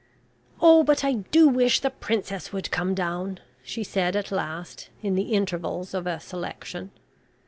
"Oh, but I do wish the Princess would come down," she said at last in the intervals of a "selection."